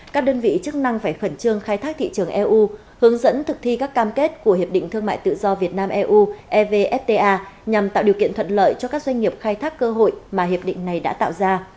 các đơn vị chức năng phải khẩn trương khai thác thị trường eu hướng dẫn thực thi các cam kết của hiệp định thương mại tự do việt nam eu evfta nhằm tạo điều kiện thuận lợi cho các doanh nghiệp khai thác cơ hội mà hiệp định này đã tạo ra